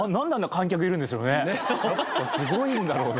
すごいんだろうな。